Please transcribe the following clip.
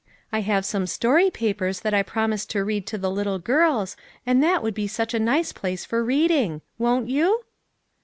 I have some story papers that I promised to read to the little girls, and that would be such a nice place for reading. Won't you?"